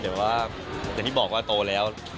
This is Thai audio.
แต่ว่าอย่างที่บอกว่าโตแล้ว